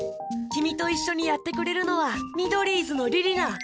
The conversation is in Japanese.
きみといっしょにやってくれるのはミドリーズのりりな！